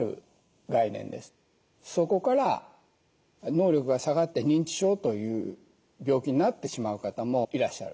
そこから能力が下がって認知症という病気になってしまう方もいらっしゃる。